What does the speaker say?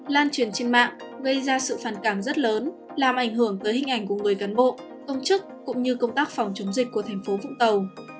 lan truyền trên mạng gây ra sự phản cảm rất lớn làm ảnh hưởng tới hình ảnh của người cán bộ công chức cũng như công tác phòng chống dịch của thành phố vũng tàu